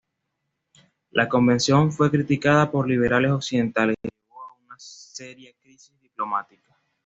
La convención fue criticada por liberales occidentales y llevó a una seria crisis diplomática.